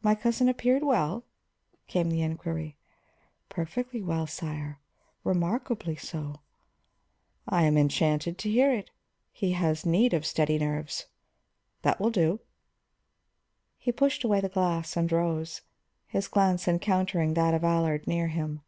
"My cousin appeared well?" came the inquiry. "Perfectly well, sire. Remarkably so." "I am enchanted to hear it; he has need of steady nerves. That will do." He pushed away the glass and rose, his glance encountering that of Allard near him.